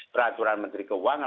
peraturan menteri keuangan